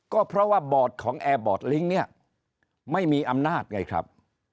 ก็เพราะว่าบอร์ดของแอร์บอร์ดลิ้งเนี่ยไม่มีอำนาจไงครับ